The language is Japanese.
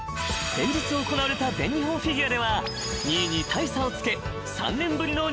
［先日行われた全日本フィギュアでは２位に大差をつけ３年ぶりの日本一に］